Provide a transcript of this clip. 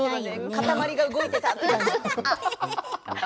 塊が動いてる。